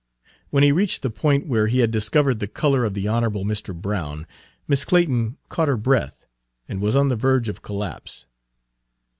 When he reached the point where he had discovered the color of the honorable Mr. Brown, Miss Clayton caught her breath, and was on the verge of collapse.